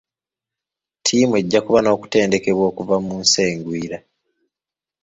Tiimu ejja kuba n'okutendekebwa okuva mu nsi engwira.